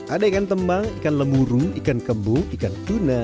ada ikan tembang ikan lemuru ikan kembung ikan tuna